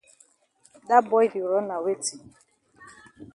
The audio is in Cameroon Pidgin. Dat boy di run na weti?